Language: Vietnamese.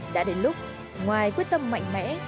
đã đến lúc ngoài quyết tâm mạnh mẽ